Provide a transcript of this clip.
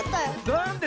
なんで？